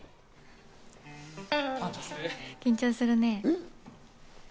緊張するね。